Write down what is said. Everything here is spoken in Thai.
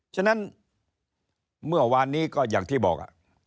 ฉะนั้นเมื่อวานนี้ก็อย่างที่บอก